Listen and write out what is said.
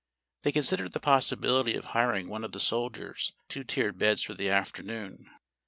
They considered the possibility of hiring one of the soldiers' two tiered beds for the afternoon.